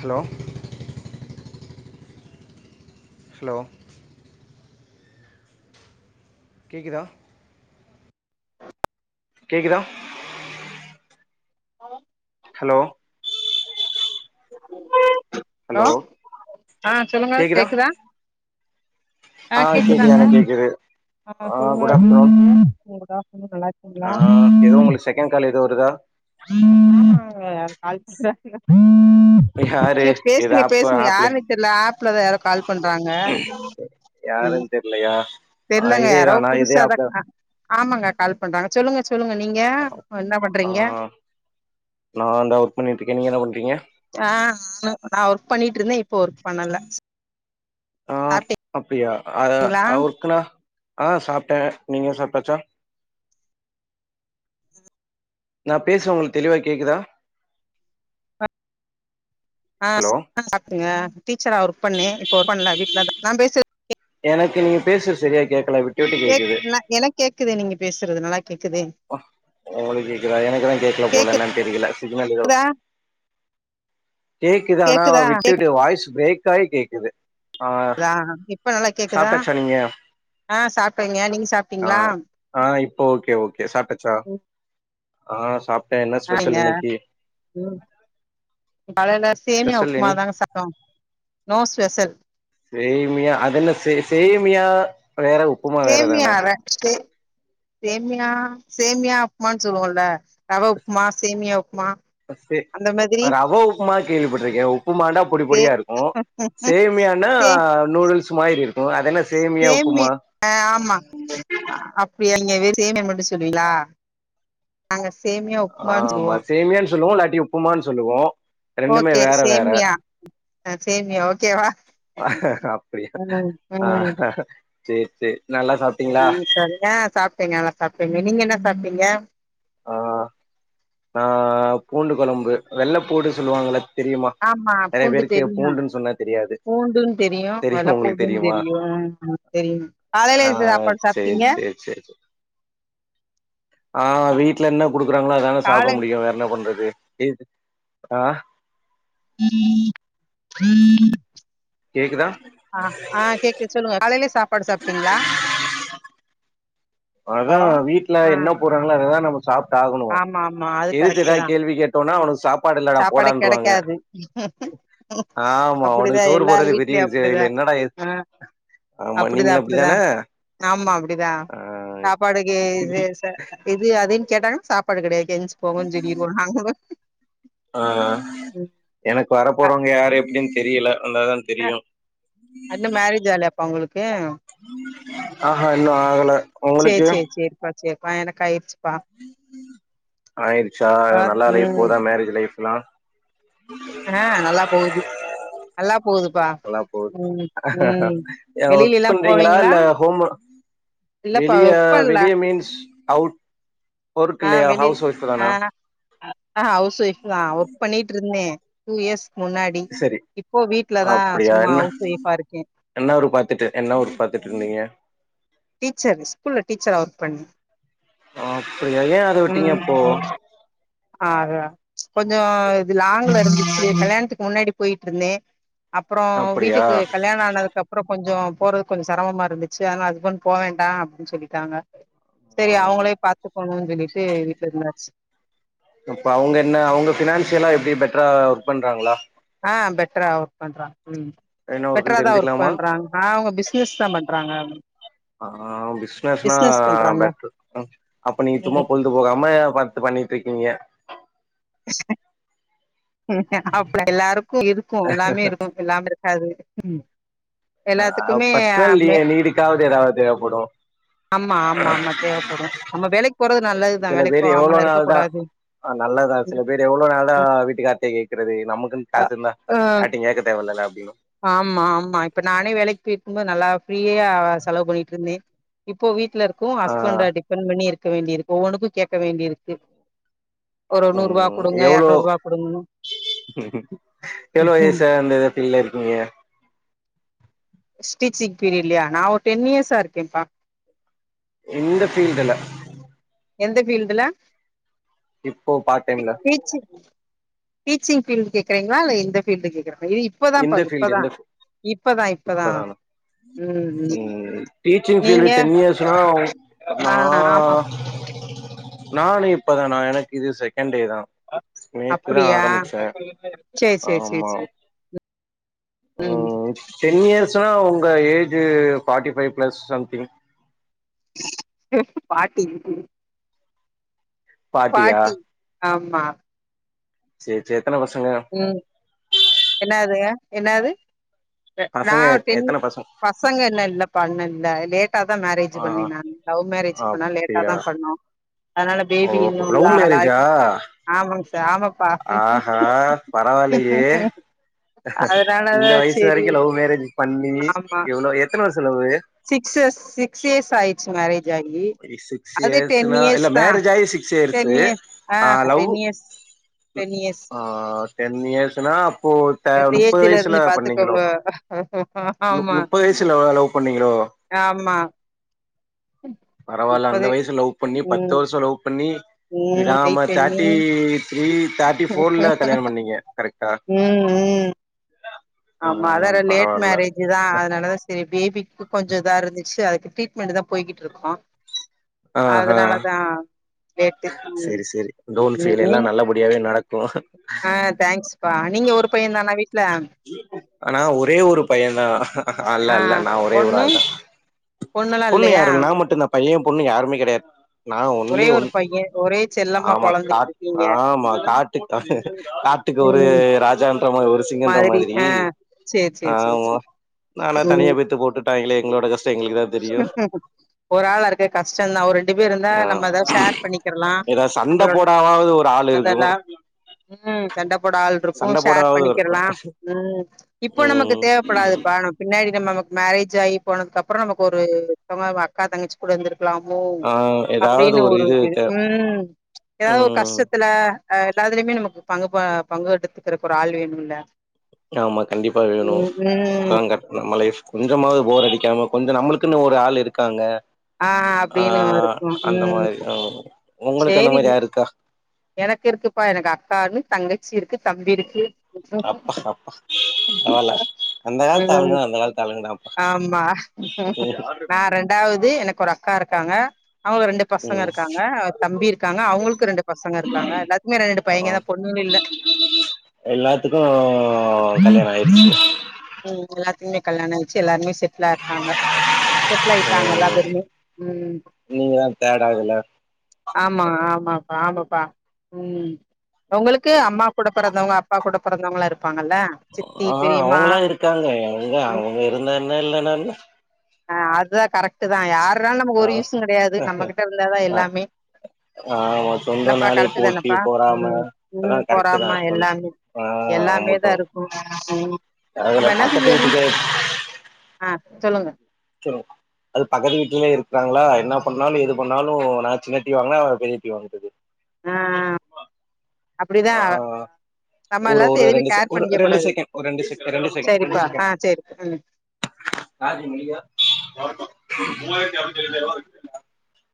Hello hello கேக்குதா கேக்குதா hello hello hello ஆ சொல்லுங்க கேக்குதா ஆ கேக்குது கேக்குதாங்க எனக்கு கேக்குது ஆமா ஆ சொல்லுங்க குட் ஆஃப்டர்நூன் [unintelligible] நல்லா ஆ இருக்கீங்களா ஏதோ [unintelligible] உங்களுக்கு செகண்ட் கால் ஏதோ வருதா [unintelligible] கால் பன்றாங்க [inaudible] [unintelligible] எது ஆப்ப பேசுங்க ஆப்லய யாருன்னு தெர்ல ஆப்லதா யாரோ கால் பண்றாங்க யாருன்னு தெரிலயா தெரியலங்க யாரோ புதுசாதா ஆமாங்க கால் பண்றாங்க சொல்லுங்க சொல்லு சொல்லுங்க நீங்க என்ன ஆ பண்றீங்க நான் தான் ஒர்க் பண்ணிட்டு இருக்கேன் நீங்க என்ன பண்றீங்க ஆ நான் ஒர்க் பண்ணிட்டு இருந்தே இப்போ ஒர்க் பண்ணல ஆ அப்டியா அத சாப்ட்டீங்களா ஆ ஒர்க்குனா ஆ சாப்பிட்டே நீங்க சாப்பிட்டாச்சா நான் பேசுறது உங்களுக்கு தெளிவா கேக்குதா ஆ ஹலோ அ சாப்டிங்க டீச்சரா ஒர்க் பண்ணே இப்ப ஒர்க் பண்ணல வீட்டுலதா நா பேசுறது எனக்கு நீங்க பேசுறது சரியா கேக்கல விட்டு விட்டு கேக் கேக்குது கேக் எனக்கு கேக்குது நீங்க பேசு அ உங்களுக்கு கேகுதா எனக்குதா கேக்கல போல கேக்குதா என்னன்னு தெரியல சிகுனல் ஏதோ கேக்குது ஆனா கேக்குதா விட்டுவிட்டு வாய்ஸ் பிரேக் ஆயி கேக்குது ஆ கேக்குதா இப்ப நல்லா கேக்குதா சாப்பிட்டாச்சா நீங்க ஆ சாப்ட்டேங்க நீங்க அ சாப்ட்டீங்களா அ இப்போ ஓகே ஓகே சாப் ச்சா ஆ சாப்ட்ட என்ன ஆங்க ஸ்பெஷல் இன்னிக்கு ம் காலைல சேமியா உப்புமாதாங்க சாப்டோம் சேமியா அத என்ன சே சேமியா வேற உப்புமா வேற தான்ன சேமியா ர சே சேமியா சேமியா உப்புமான்னு சொல்லுவோம்ல்ல ரவ உப்புமா சேமியா உப்பு சே ரவ உப்புமா கேள்விபட்டுருக்கேன் உப்பு மாண்டா சே பொடிப்படியா இருக்கு ம் சேமியான ஆ நூடுல்ஸ் ல்ஸ் மாரி இருக்கும் அதென்ன சேமி ஆ ஆமா அப்படி யா நீங்க சேமியா மட்டு சொல்லுவிங்களா நாங்க சேமியா உப்புமான்னு ஆமா சொல்லுவோ சேமியான்னு சொல்லுவோ இல்லாட்டி உப்புமான்னு சொல்லுவோ ரெண்டுமே ஓகே வேற வேற சேமியா ஆ சேமியா ஓகேவா அப்படியா ம் ஆ சரி சரி உ சரியா சாப்பிட்டிங்க நல்லா சாப்பிட்டீங்க நீங்க என்ன சாப்பிட்டீங்க ஆ ஆ பூண்டு குழம்பு வெள்ளை பூண்டு சொல்லுவாங்கள தெரியுமா ஆமா நிறய பூண்டு பேருக்கு தெரியு பூண்டுன்னு சொன்னா தெரியாது பூண்டுன்னு தெரியு வெள்ள தெரியுமா உங்களுக்கு பூண்டுன்னு தெரியுமா தெரியு தெரியு காலையில அ எது சாப்பாடு சாப்ட்டீங்க சேரிசேரிசேரி ஆ வீட்டுல என்ன கொடுக்குறாங்களோ அது தான சாப்பிட காலை முடியு வேற என்ன பண்றது இது அ [inaudible] கேக்குதா ஆ ஆ கேக்குது சொல்லுங்க காலையிலே சாப்ப சாப்பாடு சாப்பிட்டீங்களா அதா வீட்டுல என்ன போடுறாங்களோ அததா நம்ம சாப்பிட்டு ஆகணு ஆமா ஆமா அது எதுத்து கரெக்ட் தா ஏதாவது கேள்வி கேட்டு கேட்டேனா உனக்கு சாப்பாடு இல்லாடா சாப்பாடே போடான்வாங்க கெடைக்காது ஆமா அப்டிதா உனக்கு சோறு எல்லார் போடுறதே பெரிய வீட்லயு விஷய அப்டிதா இதுல என்னடா எதுத் ஆ ஆமா அப்டிதா நீங்களும் அப்டிதா அப்படித்தான ஆமா அப்படிதா சாப்பாடுக்கு இது இது அ அப்டின்னு கேட்டங்கன்னா சாப்பாடு கிடையாது எஞ்சு போங்கன்னு சொல்லிடுவோ நாங்கலு ஆஹ் எனக்கு வர க போறவங்க யாரு எப்டின் தெரியல வந்தாதா தெரியும் அன்னும் மேரேஜ் ஆலாயாப்பா உங்களுக்கு ஆஹ்ஹா இன்னு ஆகல சேர் உங்களுக்கு சேர் சேர்ப்பா சேர்ப்பா எனக்கு ஆயிடுச்சு ஆயிடுச்சா பா நல்லா லைஃப் ம் போதா மேரேஜ் லைஃப்ல்லா ஆஹ் நல்லா போகுது நல்லாப் நல்லா போகுது ஒர்க் வெளியில எல்லா பண்றீங்களா போவீங்களா இல்ல ஹோம் இல்லப்பா வெளிய ஒர்க் பண்ணல வெளிய மீன்ஸ் அவுட் ஒர்க் ஆஹ் இல்லையா வெளில் ஹவுஸ் ஒய்ஃப் தானா ஆஹ் ஆஹ் ஹவுஸ் ஒய்ஃப் தா ஒர்க் பண்ணிட்டு இருந்தே டூ இயர்ஸ் முன்னாடி சரி இப்போ வீட்லதா அப்டியா சும்மா என்ன ஹவுஸ் ஒய்ஃபா இருக்கே என்ன ஒர் பாத்துட்டு என்ன ஒர்க் பாத்துட்டு இருந்தீங்க டீச்சர் ஸ்கூல்ல டீச்சரா ஒர்க் பண் அப்டியா ஏன் அத விட்டீங்க ம் அப்போ ஆ கொஞ்சோ இது லாங்ல இருந்துச்சு கல்யாணத்துக்கு முன்னாடி போயிட்டுருந்தே அப்புறோ அப்டியா வீட்டுக்கு கல்யாண ஆனதுக்கு அப்புறோ கொஞ்சோ போறது கொஞ்சோ செரமமா இருந்துச்சு ஆனா ஹஸ்பண்ட் போ வேண்டா அப்டின்னு சொல்லிட்டாங்க. ஆ செரி அவங்களேயும் பாத்துக்கோணும்னு சொல்லிட்டு வீட்ல இருந்தாச்சு. அப்ப அவங்க என்ன அவங்க பினான்சியலா எப்டி பெட்டரா ஒர்க் பண்றாங்களா? ஆஹ் பெட்ரா ஒர்க் பண்றாங் ம் என்ன பெட்டரா ஒர்க்குன்னு தான் ஒர்க் தெரிஞ்சுக்கலாமா பண்றாங் அஹ் அவ்ங்க பிசினஸ் தான் பண்றாங்க. ஆஹ் பிசினஸ்னா பிசினஸ் பண்றாங்க பெட்ரு அப்ப நீ சும்மா பொழுது போகாம பாத்து பாத் பண்ணிட்டுருக்கீங்க [inaudible] அப்லா எல்லாருக்கு இருக்கு எல்லாமே இருக்கு எல்லாமே இருக்காது ம் அ பர்சனல் நீடுக்காவது ஏதாவது தேவைப்படும். ஆமா ஆமா ஆமா தேவைப்படும் நம்ம வேலைக்கு போறது நல்லதுதா சில வேலைக்கு பேர் எவ்ளோ போகாமலா இருக்க நாள் தா கூடாது அ நல்லதுதா சில ம் பேர் எவ்ளோ நாள்டா ம் வீட்டுக்கார்டயே கேக்கறது நமக்குனு அ காசு இருந்தா யார்ட்டயும் கேக்க தேவல்லல்ல அப்டின்னோ ஆம்மா ஆம்மா இப்ப நானே வேலைக்கு போயிட்கும்போது நல்லா ஃப்ரீயா செலவு பண்ணிட்டு இருந்தே இப்போ வீட்டுல இருக்கவு ஆ ஹஸ்பண்ட்ட டிபெண்ட் பண்ணி இருக் க வேண்டி இருக்கு ஒவ்வொனுக்கும் கேட்க வேண்டியிருக்கு ஒரு நூற்ருபா ம் குடுங்க எவ்ளோ எற்நூற்ருபா எவ்ளோ ம்ஹ்ம். வயிசா இந்த பீல்ல இருக்கீங்க? ஸ்டீச்சிங் பீரியட்லயா நான் ஒரு டென் இயர்ஸா இருக்கேன்ப்பா. இந்த பீல்டுல? எந்த பீல்டுல இப்போ பார்ட் டி டைம்ல டீச்சி சிங் பீல்டு கேக்கறிங்களா இல்ல எந்த பீல்டு கேக்குற? ஐய்யயோ இப்பதாப்பா இந்த இது ஃபீல்டு இப்பதா இந்த இப்பதா இப்பதா இப்பதானா ம் டீச்சிங் ஃபீல்டு நீங்க டென் இயர்ஸ்னாவ் நா ஆ ஆமா நானு இப்பதா னா எனக்கு இது செகண்ட் டே தா நேத்துதா அப்படியா ஆரம்பிச்சே சேரி சேரி சேரி ஆமா. சேரி ம் டென் இயர்ஸ் னா உங்க age forty five plus something forty ஃபாட்டியா ஆம்மா சேர் சேர் ம் என்னாது என்னாது நா பசங்க டென்னி எத்தன பசங்க பசங்கெல்லா இல்லபா இன்னு இல்ல ட்டா தா மேரேஜ் ஆ பண்ணே நானு லவ் மேரேஜ் அன்னால லேட்டா தா அப்டியா பண்ணோ அதனால பேபி இன்னு ஓஹோ இது லவ் ஆகல மேரேஜா ஆமாங்க சார் ஆமப்பா ஆ பரவாயில்லயே இந்த அதனாலதா வயசு செரி வரைக்கு லவ் மேரேஜ் பண்ணி எவ்ளோ எத்தன வருச லவ்வு சிக்ஸ்இயர்ஸ் சிக்ஸ் இயர்ஸ் ஆயிச்சி மேரேஜ் ஆகி சிக்ஸ் அது டென் இயர்ஸ்ன்னா இயர்ஸ் இல்ல தா மேரேஜ் ஆயி சிக்ஸ் இயர்ஸ் டென் ஆ லவ் டென் இயர்ஸ் ம் டென் இயர்ஸ் ஆ ஆ டென் இயர்ஸ்ன்னா அப்போ ட இந்த நுப்பது ஏஜ்ல வயசுல இருந்து பண்ணீங்களோ பாத்துக்கோங்க நுப் ஆமா முப்பது வயசுல லவ் பண்ணீங்களோ ஆமா பரவால்ல அந்த முப்பது வயசுல லவ் பண்ணி பத்து ம் வருஷோ லவ் பண்ணி ம் விடாம வெயிட் தேட்டி பண்ணி த்ரீ தேட்டி போர்ல கல்யாணம் பண்ணீங்க கரெக்டா ம் ம் ஆமா ம் அதாற லேட் பரவால்ல மேரேஜ் தா அதனாலதா சேரி பேபிக்கு கொஞ்சோ இதா இருந்துச்சு அதுக்கு ட்ரீட்மெண்ட் தா பொய்கிட்டு இருக்கோ ஆ ஆ அதனால தா லேட்டு ம் செரி செரி டோன்ட் ம் ஃபீல் எல்லா நீங் நல்லபடியாவே நடக்கு ஆ தேங்க்ஸ்ப்பா நீங்க ஒரு பையந்தாணா வீட்ல ஆனா ஒரே ஒரு பையந்தா அல்ல அல்ல நா ஒரே ஒரு ஆள்தா பொண்ணெல்லா பொண்ணு இல்லயா யாரு இல்ல நா மட்டுந்தா பைய பொண்ணு யாருமே கெடயாது நா ஒரே ஒன்லி ஒரு ஒன் பைய ஒரே செல்லமா ஆமா கா பொழந்துகிட்டு இருக்கீங்க ஆம்மா ம் காட்டுக் கா ம் கா ட்டுக்கு ஒரு ம் ராஜன்ற மாரி ஒரு சிங்கன்ற மாதிரி சேரி சேரி சேரி ஆமா சேரி நானா தனியா பெத்து போட்டுட்டாய்ங்ளே எங்ளோட கஷ்டோ எங்ளுக்குதா ஹிம் ஹி ஹும் ஒரு ஆளா இருக்க கஷ்டந்தா ஒரு ரெண்டு பேர் இருந்தா ஆ நம்ம எதாது ஷேர் பண்ணிக்கிர்லா ஏதாவது சண்ட நம்மளோட போடாவாவது ஒரு ஆள் இருக்கு அதெல்லா ம் சண்ட போடா எதுவு சண்ட ஷேர் போடாவது ஒரு பண்ணிக்கிர்லா ம் இப்போ நமக்கு ம் தேவப்படாதுப்பா நமக் பின்னாடி நம்ம முக் மேரேஜ் ஆயி போனதுக்கப்பறோ நமக்கு ஒரு ஒருத்தவங்க அக்கா தங்கிச்சிக்குட இந்திரு க்லாமோ ஆ ஏதாவது அப்டீன்னு ஒரு இது இருக் தே ம் எதாவது ஒரு ம் கஷ்டத் ஆ எல்லாதுலயுமே நமக்கு பங்கு போ பங்கு எடுத்துக்கிறக்கு ஒரு ஆள் வேணும்ல்ல ஆமா கண்டிப்பா வேணு அப்பதாங்க நம்ம லைப் கொஞ்சமாவது போர் அடிக்காம கொஞ்ச நம்மளுக் குன்னு ஒரு ஆள் இருக்காங்க ஆ அப்டீன்னு வருக்கு அந்த ம் மாரி ம் உங்களுக்கு அந்த சேரி மாரி நீ யாரு இருக்கா எனக்கு இருக்குப்பா எனக்கு அக்கா ஒன்னு தங்கச்சி இருக் கு தம்பி இருக்கு அப்பா அப்பா பரவால்ல அந்த காலத்து ம் ஆளுங்கனா அந்த காலத்து ஆளுங்கதாப்பா ஆமா நா ரெண்டாவது எனக் ஒரு அக் கா இருக்காங்க அவ்ங்க ரெண்டு பசங்க ம் இருக்காங்க தம்பி இருக்காங்க அவ்ங்களுக்கு ரெண்டு பசங்க இருக்காங்க எல்லாத்துக்மே ரெரெண்டு ஆ பைய்ங்கதா பொண்ணுங்க இல்ல எல்லாத்துக்கு கல்யாணோ ஆய்டுச்சி தம்பிக் கல்யாணோ ஆய்ச்சி எல்லார்மே செட்லா இர்க்காங்க செட்லாய்ட்டாங்க எல்லா பேருமே ம் தேடாதுல்ல ஆமா ஆமாப்பா ஆமப்பா ம் ஒங்களுக்கு அம்மா கூட பிறந்தவங்க அப்பா கூட பிறந்தவங்களா இரு ஆ அவுங்கல்லா இருக்காங்க எங்க அவுங்க இருந்தா என்ன இல்லன்னா என்ன ஆ அதா கரெக்ட்டு தா யாருனாலு நமக்கு ஆ ஒரு யூஸு கெடயாது நம்ம கிட்ட இருந்தாதா ஆ எல்லாமே ஆமா சொந்த என்னப்பா நாளே கரெக்ட்டு போட்டி தானப்பா பொறாம ம் அதா ம் கரெக்ட் தா பொறாமா சொல் எல்லாமே ஆ எல்லாமே தா முட்டு இருக்கு ம் அதுல நம்ம என்ன பக்கத்து செஞ்சிடணு வீட்டுக்கே ஆ சொல்லுங்க சொல்லுங்க அது பக்கத்து வீட்லயே இருக்காங்ளா என்ன பண்ணாலு எது பண்ணாலு நா சின்ன டி வி வாங்னா அவ பெரிய டி வி வாங்கறது ஆ டூ தௌஸன் ரூவா அப்டிதா அவ ஒரு ஒரு ரெண்டு செ ஒரு ரெண்டு செகெண் ஒரு ரெண்டு செகெண் ரெண்டு செகெண் ரெண்டு சரிப்பா செகெ ஆ சரி ம் [unintelligible] மூவாயிரத்தி அரநூத்தி எழுவத்தஞ்சாயிரூவா [unintelligible]